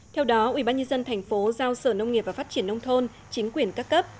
theo đó ubnd tp giao sở nông nghiệp và phát triển nông thôn chính quyền các cấp